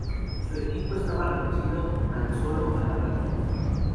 Su equipamiento estaba reducido tan solo a la radio.